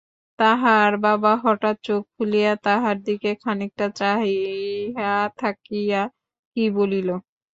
তাহার বাবা হঠাৎ চোখ খুলিয়া তাহার দিকে খানিকটা চাহিয়া থাকিয়া কী বলিল?